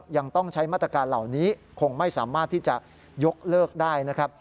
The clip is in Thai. ยังต้องใช้มาตรการเหล่านี้คงไม่สามารถที่จะยกเลิกได้นะครับ